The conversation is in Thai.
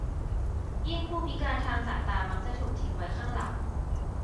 ยิ่งผู้พิการทางสายตามักจะถูกทิ้งไว้ข้างหลัง